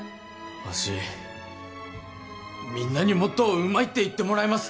わしみんなにもっとうまいって言ってもらいます